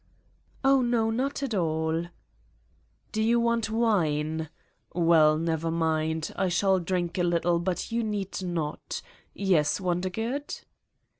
"Oh, no, not at all" '' Do you want wine ? Well, never mind. I shall drink a little but you need not. Yes, Wonder good?"